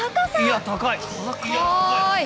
いや高い！